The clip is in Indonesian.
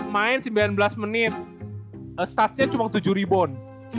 main main sembilan belas menit stats nya cuma tujuh ribbon